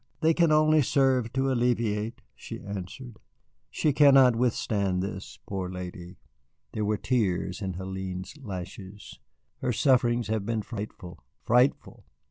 They can only serve to alleviate," she answered. "She cannot withstand this, poor lady." There were tears on Hélène's lashes. "Her sufferings have been frightful frightful."